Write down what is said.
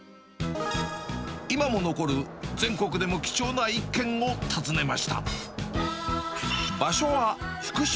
今も残る全国でも貴重な１軒を訪ねました。